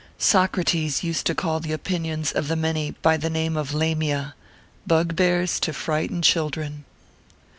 _ _Socrates used to call the opinions of the many by the name of Lamiæ bugbears to frighten children....